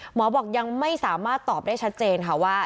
หมอบอกยังไม่สามารถตอบได้ชัดเจนค่ะว่า